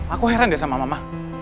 aku heran ya sama mama